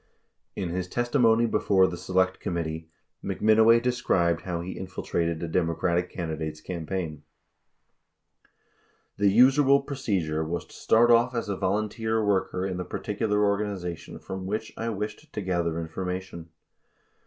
71 In his testimony before the Select Committee, McMinoway de scribed how he infiltrated a Democratic candidate's campaign : "The usual procedure was to start off as a volunteer worker in the particular organization from which I wished to gather information."